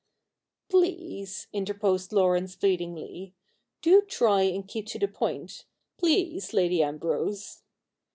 'Please,' interposed Laurence pleadingly, 'do try and keep to the point — please. Lady Ambrose.'